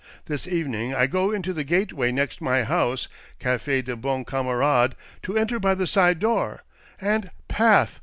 This evening I go into the gateway next my house — Cafe des Bons Camarades — to enter by the side door, and — paf !